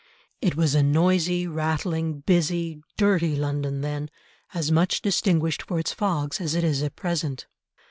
It was a noisy, rattling, busy, dirty London then, as much distinguished for its fogs as it is at present.